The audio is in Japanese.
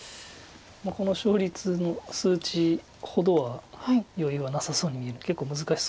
この勝率の数値ほどは余裕はなさそうに見える結構難しそう。